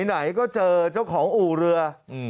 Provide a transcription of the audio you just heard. ไหนก็เจอเจ้าของอู่เรือ